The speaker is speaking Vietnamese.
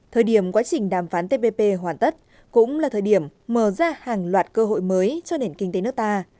thời điểm quá trình đàm phán tpp hoàn tất cũng là thời điểm mở ra hàng loạt cơ hội mới cho nền kinh tế nước ta